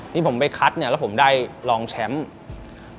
ที่ผมไปคัดเนี่ยแล้วผมได้ลองแชมป์